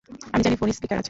আমি জানি phone speaker আছে।